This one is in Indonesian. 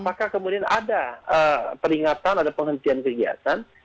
apakah kemudian ada peringatan atau penghentian kegiatan